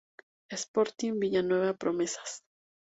Sporting Villanueva Promesas